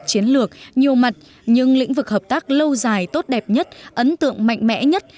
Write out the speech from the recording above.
chiến lược nhiều mặt nhưng lĩnh vực hợp tác lâu dài tốt đẹp nhất ấn tượng mạnh mẽ nhất